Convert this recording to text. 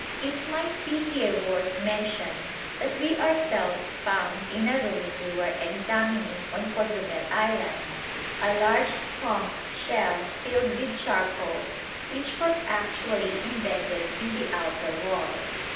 It might be here worth mention that we ourselves found in a ruin we were examining on Cozumel island, a large conch shell filled with charcoal which was actually embedded in the outer wall.